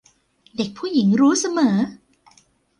เด็กผู้หญิงรู้เสมอ